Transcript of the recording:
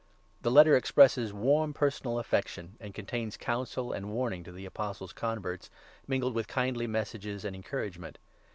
The Letter expresses warm personal affection, and contains counsel and warning to the Apostle's converts, mingled with kindly messages and encouragement.